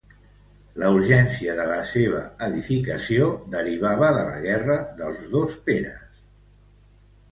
La urgència de la seua edificació derivava de la Guerra dels dos Peres.